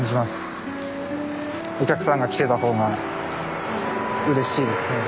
お客さんが来てた方がうれしいですね。